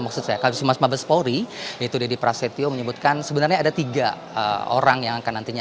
maksud saya kabis humas mabes polri yaitu deddy prasetyo menyebutkan sebenarnya ada tiga orang yang akan nantinya